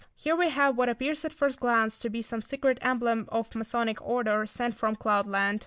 Here we have what appears at first glance to be some secret emblem or Masonic order sent from cloud land.